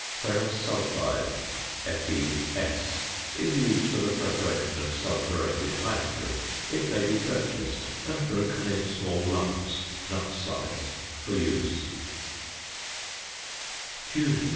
~Ferrous Sulphide~ (FeS) is used for the preparation of sulphuretted hydrogen. It may be purchased and broken in small lumps, nut size, for use.